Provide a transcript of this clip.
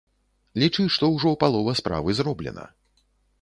Лічы, што ўжо палова справы зроблена.